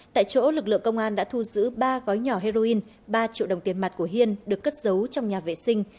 tại chỗ lực lượng công an đã thu giữ ba gói nhỏ heroin ba triệu đồng tiền mặt của hiên được cất giấu trong nhà vệ sinh